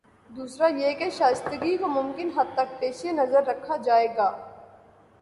دوسرا یہ کہ شائستگی کو ممکن حد تک پیش نظر رکھا جائے گا۔